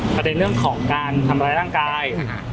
ประเด็นเรื่องของการทำร้ายร่างกาย